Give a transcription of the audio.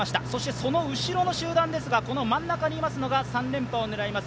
その後ろの集団ですが、真ん中にいますのが３連覇を狙います